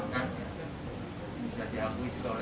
ini jajah abu ini jajah ore